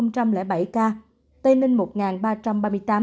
tây ninh một ba trăm ba mươi tám ca